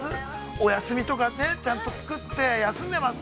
お休みとかちゃんとつくって休んでます？